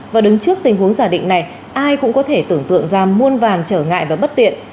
và đứng trước tình huống giả định này ai cũng có thể tưởng tượng ra muôn vàn trở ngại và bất tiện